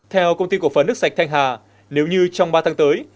theo công ty cổ phấn nước sạch thanh hà nếu như trong ba tháng tới